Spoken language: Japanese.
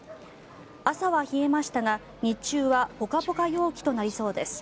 朝は冷えましたが、日中はポカポカ陽気となりそうです。